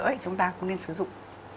thì chúng ta cũng nên sử dụng